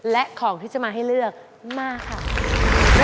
และของที่จะมาให้เลือกมาค่ะ